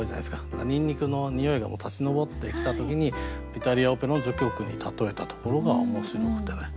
だからニンニクのにおいが立ちのぼってきた時に「イタリアオペラの序曲」に例えたところが面白くてね。